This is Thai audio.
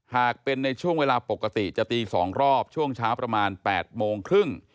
หากเป็นในช่วงเวลาปกติจะตี๒รอบช่วงเช้าประมาณ๘โมงครึ่ง